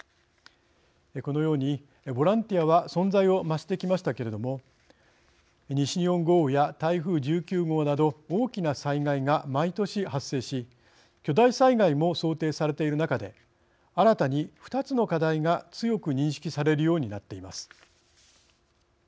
このようにボランティアは存在を増してきましたけれども西日本豪雨や台風１９号など大きな災害が毎年発生し巨大災害も想定されている中で新たに２つの課題が強く認識されるようになっています。